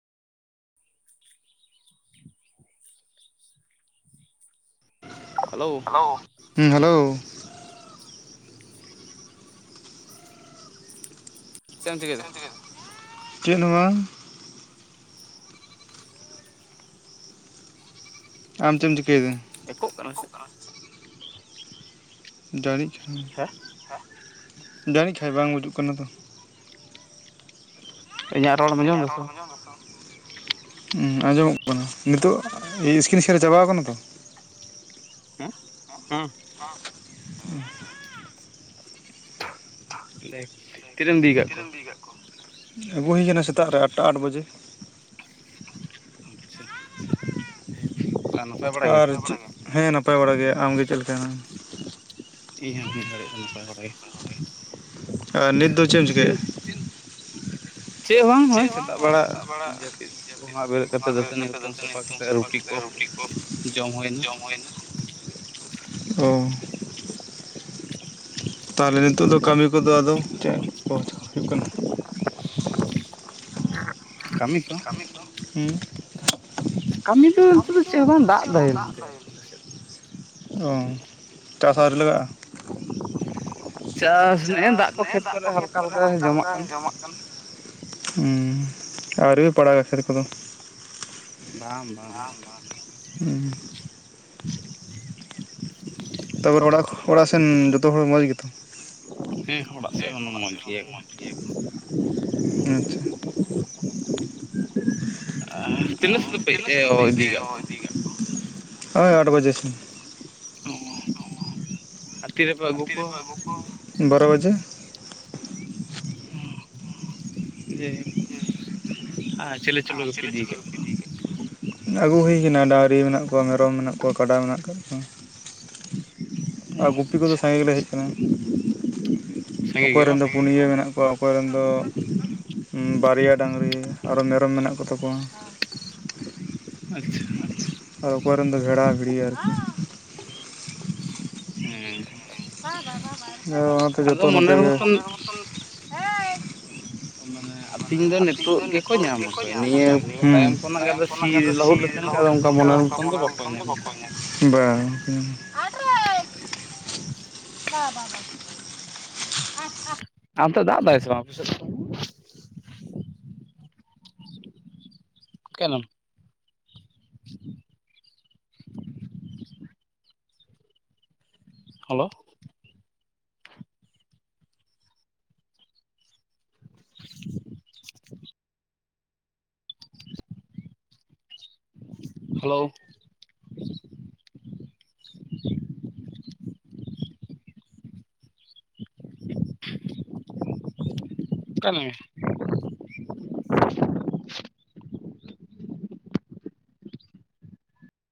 Hello hello ᱦᱮᱸ hello ᱪᱮᱫ ᱮᱢ ᱪᱤᱠᱟᱹᱭᱫᱟ? ᱪᱮᱫ ᱦᱚᱸ ᱵᱟᱝ ᱾ ᱟᱢ ᱪᱮᱫ ᱮᱢ ᱪᱤᱠᱟᱹᱭᱮᱫᱟ? ᱮᱠᱳᱜ ᱠᱟᱱᱟ ᱥᱮ? ᱡᱟᱹᱲᱤᱜ ᱠᱷᱟᱱ ᱦᱮᱸ ᱡᱟᱹᱱᱤᱡ ᱠᱷᱟᱱ ᱵᱟᱝ ᱵᱩᱡᱩᱜ ᱠᱟᱱᱟ ᱛᱚ ᱾ ᱤᱧᱟᱜ ᱨᱚᱲ ᱮᱢ ᱟᱸᱡᱚᱢ ᱫᱟ ᱥᱮ ᱵᱟᱝ? [inaudible] ᱦᱚᱸᱻ ᱟᱸᱡᱚᱢᱚᱜ ᱠᱟᱱᱟ ᱱᱤᱛᱚᱜ ᱤᱥᱠᱤᱱ ᱥᱮᱭᱟᱨ ᱪᱟᱵᱟ ᱟᱠᱟᱱᱟ ᱛᱚ? ᱦᱮᱸ ᱦᱮᱸᱻ ᱦᱚᱸᱻ [inaudible] [inaudible] ᱛᱤᱱᱟᱜ ᱮᱢ ᱤᱫᱤ ᱟᱠᱟᱫ ᱠᱚᱣᱟ? ᱤᱫᱤ ᱟᱠᱟᱫ ᱠᱚᱣᱟ ᱾ ᱟᱹᱜᱩ ᱦᱩᱭ ᱟᱠᱟᱱᱟ ᱥᱮᱛᱟᱜ ᱨᱮ ᱟᱴᱴᱟ ᱟᱴ ᱵᱟᱡᱮ ᱾ ᱟᱪᱪᱷᱟ ᱟᱨ ᱱᱟᱯᱟᱭ ᱵᱟᱲᱟ ᱜᱮ ᱟᱨ ᱪᱮᱫ ᱦᱮᱸ ᱱᱟᱯᱟᱭ ᱵᱟᱲᱟ ᱜᱮ ᱟᱢᱜᱮ ᱪᱮᱫ ᱞᱮᱠᱟ ᱢᱮᱱᱟᱢᱟ? ᱤᱧ ᱦᱚᱸ ᱱᱤ ᱜᱷᱟᱹᱲᱤᱡ ᱫᱚ ᱱᱟᱯᱟᱭ ᱵᱟᱲᱟ ᱜᱮ ᱾ ᱟᱨ ᱱᱤᱛ ᱫᱚ ᱪᱮᱫ ᱮᱢ ᱪᱤᱠᱟᱹᱭᱮᱜᱼᱟ? ᱪᱮᱫ ᱦᱚᱸ ᱵᱟᱝ ᱱᱚᱜᱼᱚᱭ ᱥᱮᱛᱟᱜ ᱵᱮᱲᱟ ᱡᱟᱹᱯᱤᱫ ᱠᱷᱚᱱᱟᱜ ᱵᱮᱨᱮᱫ ᱠᱟᱛᱮᱫ ᱫᱟᱹᱛᱟᱹᱱᱤ ᱦᱩᱛᱩᱢ ᱥᱟᱯᱷᱟ ᱠᱟᱛᱮᱫ ᱨᱩᱴᱤ ᱠᱚ ᱨᱩᱴᱤ ᱠᱚ ᱡᱚᱢ ᱦᱩᱭ ᱮᱱᱟ᱾ ᱚᱻ ᱛᱟᱦᱚᱞᱮ ᱱᱤᱛᱚᱜ ᱫᱚ ᱠᱟᱹᱢᱤ ᱠᱚᱫᱚ ᱟᱫᱚ ᱪᱮᱫ ᱠᱚ ᱦᱩᱭᱩᱜ ᱠᱟᱱᱟ? ᱠᱟᱹᱢᱤ ᱠᱚ, ᱦᱩᱸᱻ ᱠᱟᱹᱢᱤ ᱫᱚ ᱱᱤᱛᱚᱜ ᱫᱚ ᱪᱮᱫ ᱦᱚᱸ ᱵᱟᱝ ᱫᱟᱜ ᱫᱟᱭ ᱱᱚᱛᱮ ᱾ ᱚᱻ ᱪᱟᱥ ᱟᱹᱣᱨᱤ ᱞᱟᱜᱟᱜᱼᱟ? ᱪᱟᱥ ᱱᱮᱜᱼᱮ ᱫᱟᱜ ᱠᱚ ᱠᱷᱮᱛ ᱠᱚᱨᱮ ᱦᱟᱞᱠᱟ ᱦᱟᱞᱠᱟ ᱡᱚᱢᱟᱜ ᱦᱮᱸ ᱟᱹᱣᱨᱤ ᱞᱮ ᱯᱟᱲᱟᱜᱟ ᱠᱷᱮᱛ ᱠᱚᱫᱚ ᱾ ᱵᱟᱝ ᱵᱟᱝ ᱦᱩᱸᱻ ᱛᱟᱯᱚᱨ ᱚᱲᱟ--ᱚᱲᱟᱜ ᱥᱮᱱ ᱡᱚᱛᱚ ᱦᱚᱲ ᱢᱚᱸᱡᱽ ᱜᱮᱛᱚ? ᱦᱮᱸ ᱚᱲᱟᱜ ᱥᱮᱱ ᱦᱚᱸ ᱢᱚᱡᱽ ᱜᱮᱭᱟ ᱠᱚ ᱾ ᱟᱪᱪᱷᱟ ᱾ [unintelligible] ᱤᱫᱤ ᱠᱟᱜ ᱠᱚᱣᱟ ᱳᱭ ᱟᱴ ᱵᱟᱡᱮ ᱾ ᱚ᱾ ᱟᱨ ᱛᱤ ᱨᱮᱯᱮ ᱟᱜᱩ ᱛᱤ ᱨᱮᱯᱮ ᱟᱜᱩ ᱠᱚᱣᱟ? ᱵᱟᱨᱚ ᱵᱟᱡᱮ ᱾ ᱪᱤᱞᱤ [unintelligible] ᱤᱫᱤ ᱤᱫᱤ ᱠᱚᱣᱟ ᱟᱠᱟᱫ [unintelligible] ᱟᱹᱜᱩ ᱦᱩᱭ ᱟᱠᱟᱱᱟ ᱰᱟᱺᱝᱨᱤ ᱢᱮᱱᱟᱜ ᱠᱚᱣᱟ ᱢᱮᱨᱚᱢ ᱢᱮᱱᱟᱜ ᱠᱚᱣᱟ ᱠᱟᱰᱟ ᱢᱮᱱᱟᱜ ᱟᱠᱟᱫ ᱠᱚᱣᱟ ᱾ ᱟᱨ ᱜᱩᱯᱤ ᱠᱚᱫᱚ ᱟᱪᱪᱷᱟ ᱥᱟᱸᱜᱮ ᱜᱮᱞᱮ ᱦᱮᱡ ᱟᱠᱟᱱᱟ ᱾ ᱥᱟᱸᱜᱮ ᱚᱠᱚᱭ ᱜᱮ ᱨᱮᱱ ᱵᱟᱝ ᱫᱚ ᱯᱩᱱᱭᱟᱹ ᱢᱮᱱᱟᱜ ᱠᱚᱣᱟ ᱚᱠᱚᱭ ᱨᱮᱱ ᱫᱚ ᱦᱩᱸ ᱵᱟᱨᱭᱟ ᱰᱟᱺᱝᱨᱤ ᱟᱨᱚ ᱢᱮᱨᱚᱢ ᱢᱮᱱᱟᱜ ᱠᱚ ᱛᱟᱠᱚᱣᱟ ᱾ ᱟᱪᱪᱷᱟ ᱾ ᱟᱨ ᱚᱠᱚᱭ ᱨᱮᱱ ᱫᱚ ᱵᱷᱮᱲᱟ ᱵᱷᱤᱲᱤ ᱟᱨᱠᱤ ᱾ ᱦᱮᱸ ᱵᱟᱨ ᱟᱫᱚ ᱢᱚᱱᱮᱨ ᱢᱚᱛᱚᱱ ᱢᱟᱱᱮ ᱟᱹᱛᱤᱧ ᱫᱚ ᱱᱤᱛ ᱱᱤᱛᱚᱜ ᱜᱮᱠᱚ ᱧᱟᱢ ᱟᱠᱚ ᱱᱤᱭᱟᱹ ᱛᱟᱭᱚᱢ ᱠᱷᱚᱱᱟᱜ ᱜᱮ ᱟᱫᱚ ᱥᱤ ᱞᱟᱹᱦᱩᱫ ᱞᱮᱠᱷᱟᱱ ᱜᱮ ᱟᱫᱚ ᱚᱱᱠᱟ ᱢᱚᱱᱮᱨ ᱢᱚᱛᱚᱱ ᱫᱚ ᱵᱟ ᱠᱚ ᱧᱟᱢ ᱵᱟᱠᱚ ᱧᱟᱢ, ᱵᱟᱝ [inaudible] ᱟ ᱚᱱᱛᱮ ᱫᱟᱜ ᱮᱫᱟᱭ ᱥᱮ ᱵᱟᱝ ᱟᱯᱮ ᱥᱮᱫ [unintelligible] ᱠᱷᱮᱞᱟᱢ [inaudible] ᱦᱮᱞᱳ ᱾ [inaudible] ᱦᱮᱞᱳ ᱾ ᱚᱠᱟ ᱭᱮᱱᱟᱢ ᱭᱟ?